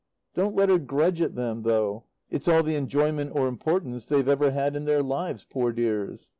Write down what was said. Don't let her grudge it them, though; it's all the enjoyment, or importance, they're ever had in their lives, poor dears.